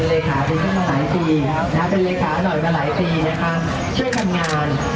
มาช่วยรับผิดชอบนะคะในเกตนี้